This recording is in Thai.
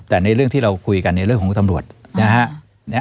แต่ในเรื่องที่เราคุยกันในเรื่องของคุณตำรวจนะฮะ